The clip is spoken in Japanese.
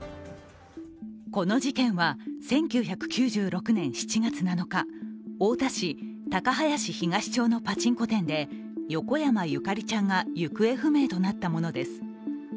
この事件は１９９６年７月７日、太田市高林東町のパチンコ店で横山ゆかりちゃんが行方不明となったものです。